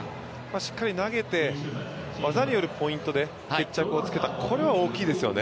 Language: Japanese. しっかり投げて、技によるポイントで決着をつけた、これは大きいですよね。